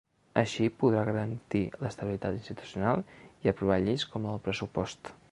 Així podrà garantir l’estabilitat institucional i aprovar lleis com la del pressupost.